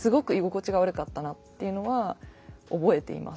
っていうのは覚えています。